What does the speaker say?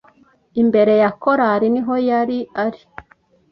Imbere ya korari niho yari ari